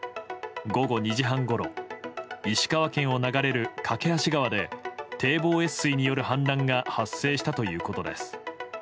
午後２時半ごろ石川県を流れる梯川で堤防越水による氾濫が発生したということです。